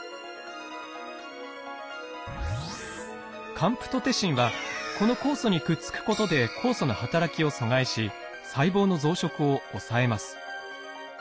カンプトテシンはこの酵素にくっつくことで酵素の働きを阻害し細胞の増殖を抑えます。